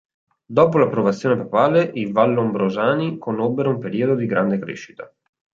Dopo l'approvazione papale, i vallombrosani conobbero un periodo di grande crescita.